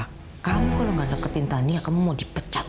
jika kamu tidak mendekati tania kamu akan dipecat